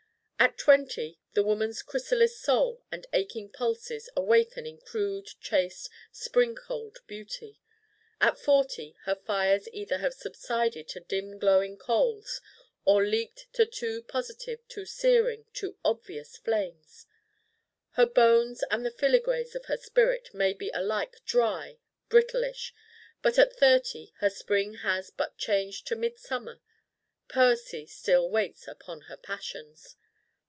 At twenty the woman's chrysalis soul and aching pulses awaken in crude chaste Spring cold beauty. At forty her fires either have subsided to dim glowing coals or leaped to too positive, too searing, too obvious flames her bones and the filigrees of her spirit may be alike dry, brittle ish. But at thirty her Spring has but changed to midsummer. Poesy still waits upon her Passions.